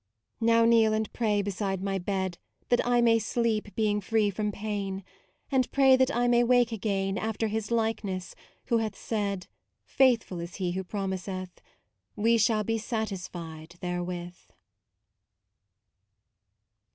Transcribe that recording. Now kneel and pray beside my bed That I may sleep being free from pain : And pray that I may wake again After His Likeness, Who hath said (Faithful is He Who promiseth), We shall be satisfied Therewith.